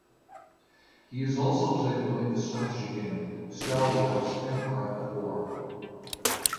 He is also playable in the strategy game "Star Wars: Empire at War".